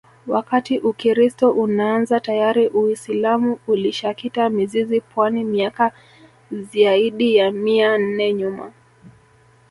Wakati Ukiristo unaanza tayari uisilamu ulishakita mizizi pwani miaka ziaidi ya mia nne nyuma